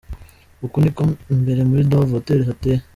Uku niko imbere muri Dove Hotel hateye.